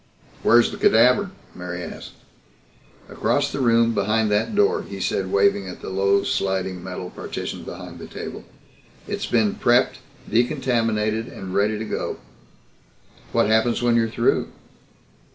"Where's the cadaver?" Mary asked. "Across the room, behind that door," he said, waving at the low, sliding metal partition behind the table. "It's been prepped, decontaminated and ready to go." "What happens when you're through?"